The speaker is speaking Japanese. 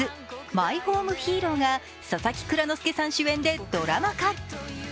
「マイホームヒーロー」が佐々木蔵之介さん主演でドラマ化。